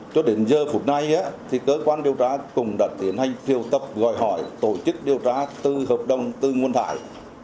cho đến giờ phút nay thì cơ quan điều tra cùng đặt tiến hành thiêu tập gọi hỏi tổ chức điều tra tư hợp đồng tư nguồn thải